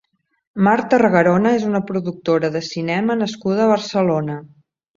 Mar Targarona és una productora de cinema nascuda a Barcelona.